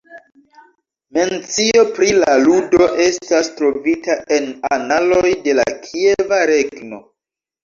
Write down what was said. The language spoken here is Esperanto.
Mencio pri la ludo estas trovita en analoj de la Kieva Regno.